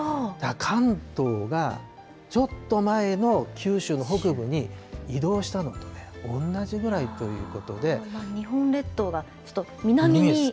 関東が、ちょっと前の九州の北部に移動したのとおんなじぐらいということ日本列島が、南に。